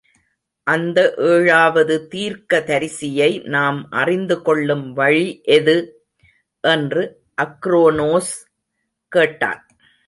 அந்த ஏழாவது தீர்க்க தரிசியை நாம் அறிந்து கொள்ளும் வழி எது? என்று அக்ரோனோஸ் கேட்டான்.